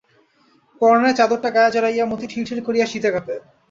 পরাণের চাদরটা গায়ে জড়াইয়া মতি ঠিরঠির করিয়া শীতে কাঁপে।